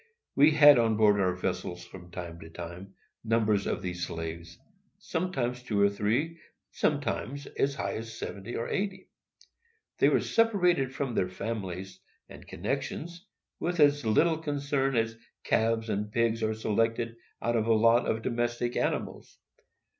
We had on board our vessels, from time to time, numbers of these slaves,—sometimes two or three, and sometimes as high as seventy or eighty. They were separated from their families and connections with as little concern as calves and pigs are selected out of a lot of domestic animals.